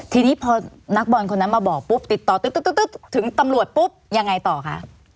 ทีนี้พอนักบอลคนนั้นมาบอกปุ๊บติดต่อตึ๊บถึงตำรวจปุ๊บยังไงต่อคะ